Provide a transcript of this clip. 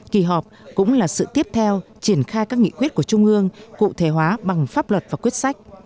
kỳ họp cũng là sự tiếp theo triển khai các nghị quyết của trung ương cụ thể hóa bằng pháp luật và quyết sách